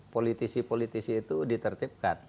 politisi politisi itu ditertibkan